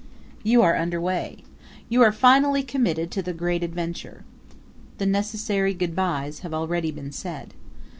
You are under way. You are finally committed to the great adventure. The necessary good bys have already been said.